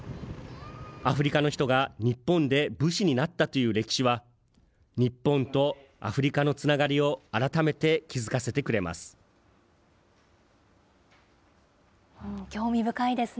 アフリカの人が日本で武士になったという歴史は、日本とアフリカのつながりを改めて気づかせてくれます。